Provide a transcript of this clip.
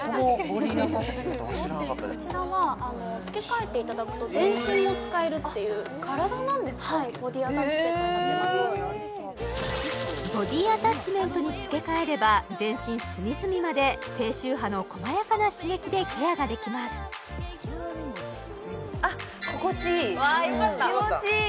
ボディアタッチメントに付け替えれば全身隅々まで低周波の細やかな刺激でケアができますわあよかった気持ちいい